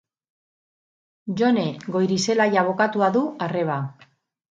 Jone Goirizelaia abokatua du arreba.